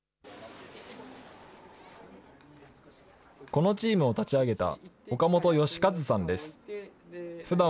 このチームを立ち上げた、岡本嘉一さんです。